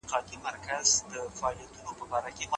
ساینس پوهانو د سترګو د لید په اړه نوې تجربه وکړه.